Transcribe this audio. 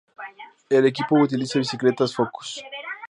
El equipo utiliza bicicletas "Focus".